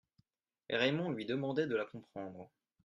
Raymond lui demandait de la comprendre.